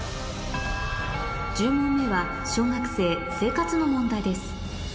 １０問目は小学生生活の問題です